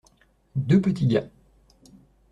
Deux petits gars.